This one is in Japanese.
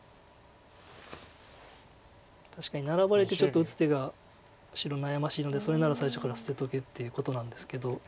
確かにナラばれてちょっと打つ手が白悩ましいのでそれなら最初から捨てとけっていうことなんですけど。